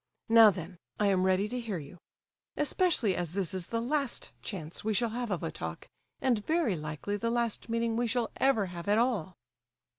Now then, I am ready to hear you. Especially as this is the last chance we shall have of a talk, and very likely the last meeting we shall ever have at all."